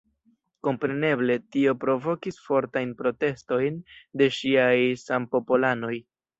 Kompreneble tio provokis fortajn protestojn de ŝiaj sampopolanoj.